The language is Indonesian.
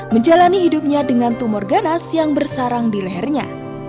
menjalani hidupnya dengan tumor ganas yang bersarang di lehernya